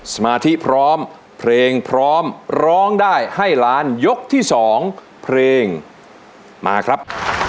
สมาธิพร้อมเพลงพร้อมร้องได้ให้ล้านยกที่๒เพลงมาครับ